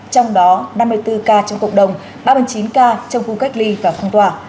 trong đó năm mươi bốn ca trong cộng đồng ba mươi chín ca trong khu cách ly và phong tỏa